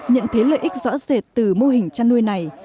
nhận thấy lợi ích rõ rệt từ mô hình chăn nuôi này